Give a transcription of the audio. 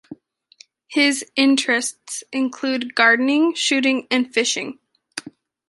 His interests include gardening, shooting and fishing.